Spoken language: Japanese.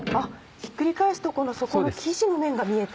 ひっくり返すと底の生地の面が見えて。